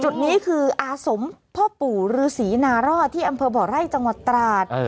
จุดนี้คืออาสมพ่อปู่ฤษีนารอดที่อำเภอบ่อไร่จังหวัดตราด